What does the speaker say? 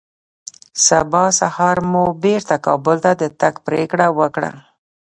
سبا سهار مو بېرته کابل ته د تګ پرېکړه وکړه